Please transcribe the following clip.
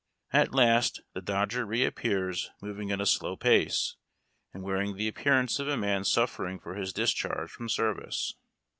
At last the dodger reappears moving at a slow pace, and wearing the appearance of a man suffering for his discharge from service.